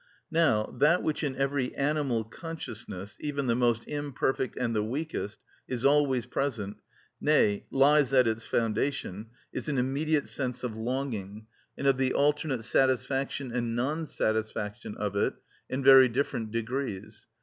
Now, that which in every animal consciousness, even the most imperfect and the weakest, is always present, nay, lies at its foundation, is an immediate sense of longing, and of the alternate satisfaction and non satisfaction of it, in very different degrees.